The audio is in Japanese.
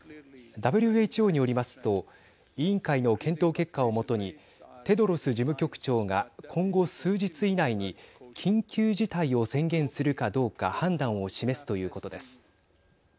ＷＨＯによりますと委員会の検討結果を基にテドロス事務局長が今後、数日以内に緊急事態を宣言するかどうか判断を示すということです。